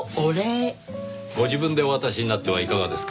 ご自分でお渡しになってはいかがですか？